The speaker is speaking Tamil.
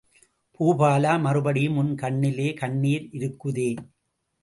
பூபாலா, மறுபடியும் உன் கண்ணிலே கண்ணீர் இருக்குதே?